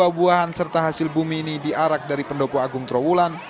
buah buahan serta hasil bumi ini diarak dari pendopo agung trawulan